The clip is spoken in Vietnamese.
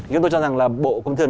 nhưng tôi cho rằng là bộ công thương